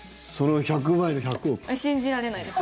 信じられないです。